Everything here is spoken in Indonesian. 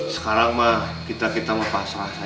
sekarang ma kita kita mepasrah saja